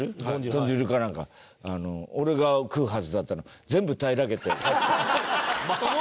豚汁かなんか俺が食うはずだったの全部平らげて帰った。